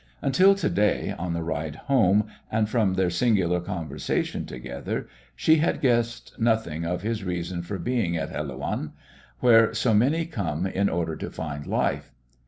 Until to day, on the ride home, and from their singular conversation together, she had guessed nothing of his reason for being at Helouan, where so many come in order to find life.